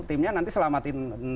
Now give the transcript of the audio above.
timnya nanti selamatin